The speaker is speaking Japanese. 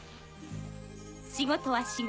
仕事は仕事。